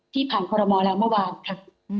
ที่ผ่านกรมและเมื่อค่ะ